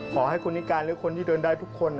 ขอให้คุณนิการหรือคนที่เดินได้ทุกคน